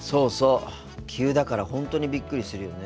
急だから本当にビックリするよね。